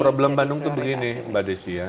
problem bandung tuh begini mbak desy ya